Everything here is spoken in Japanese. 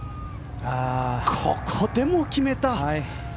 ここでも決めた！